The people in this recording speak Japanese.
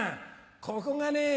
ここがね